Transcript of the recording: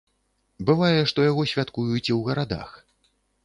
Бывае, што яго святкуюць і ў гарадах.